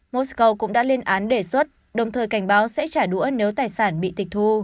mosco cũng đã lên án đề xuất đồng thời cảnh báo sẽ trả đũa nếu tài sản bị tịch thu